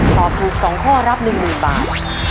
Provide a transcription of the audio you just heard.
ตอบถูก๒ข้อรับ๑๐๐๐บาท